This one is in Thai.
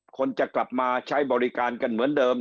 คนจะกลับมาใช้บริการกันเหมือนเดิม